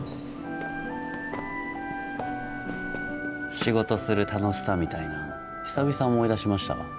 仕事する楽しさみたいなん久々思い出しましたわ。